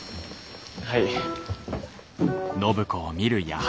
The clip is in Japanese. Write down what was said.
はい。